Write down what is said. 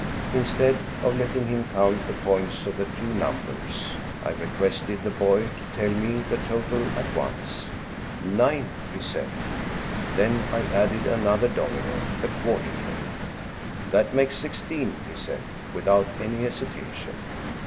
Instead of letting him count the points of the two numbers, I requested the boy to tell me the total at once. " Nine," he said. Then I added another domino, the quarter tray. " That makes sixteen," he said, without any hesitation.